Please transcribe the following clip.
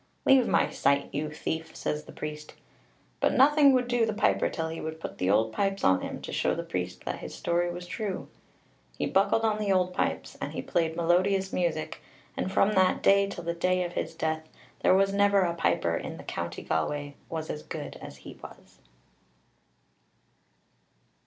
"Leave my sight, you thief," says the priest. But nothing would do the piper till he would put the old pipes on him to show the priest that his story was true. He buckled on the old pipes, and he played melodious music, and from that day till the day of his death, there was never a piper in the county Galway was as good as he was.